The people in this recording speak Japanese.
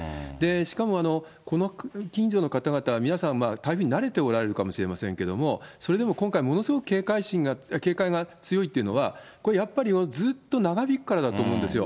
しかもこの近所の方々は皆さん、台風に慣れておられるかもしれませんけれども、それでも今回、ものすごく警戒が強いっていうのは、これやっぱり、ずっと長引くからだと思うんですよ。